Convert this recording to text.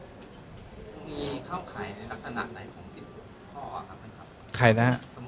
ตำรวจนี้ครับ